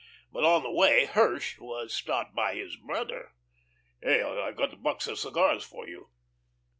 But on the way Hirsch was stopped by his brother. "Hey, I got that box of cigars for you."